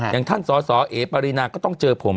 อย่างท่านสอสอเอปารีนาก็ต้องเจอผม